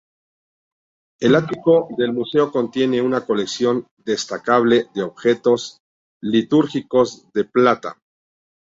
El ático del museo contiene una colección destacable de objetos litúrgicos de plata.